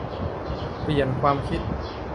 เปลี่ยนความคิด